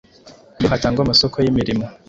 iyo hatangwa amasoko y’imirimo.